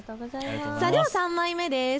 では３枚目です。